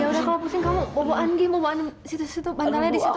ya udah kalau pusing kamu bawaan gitu situ bantalnya di situ